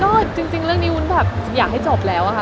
ก็จริงเรื่องนี้วุ้นแบบอยากให้จบแล้วอะค่ะ